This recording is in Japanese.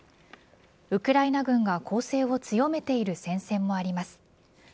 ウクライナ軍が攻勢を強めている戦線もあります。